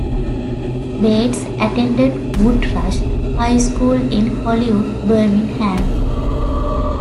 Bates attended Woodrush High School in Hollywood, Birmingham.